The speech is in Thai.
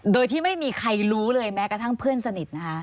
โดยที่ไม่มีใครรู้เลยแม้กระทั่งเพื่อนสนิทนะคะ